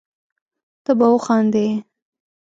ته به وخاندي